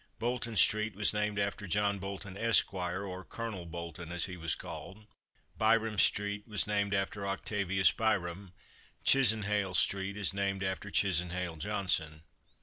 Bolton street was named after John Bolton, Esq., or Colonel Bolton as he was called. Byrom street was named after Octavius Byrom. Chisenhale street is named after Chisenhale Johnson.